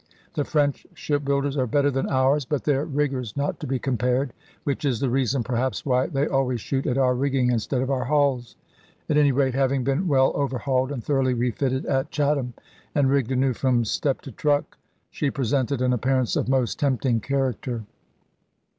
The French shipbuilders are better than ours, but their riggers not to be compared; which is the reason perhaps why they always shoot at our rigging instead of our hulls. At any rate, having been well overhauled, and thoroughly refitted at Chatham, and rigged anew from step to truck, she presented an appearance of most tempting character.